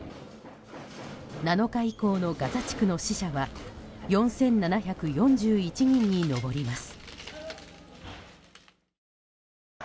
７日以降のガザ地区の死者は４７４１人に上ります。